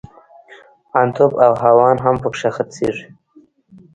ان توپ او هاوان هم پکښې خرڅېږي.